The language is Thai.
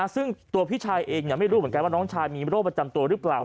ซึ่งตัวพี่ชายเองไม่รู้เหมือนกันว่าน้องชายมีโรคประจำตัวหรือเปล่า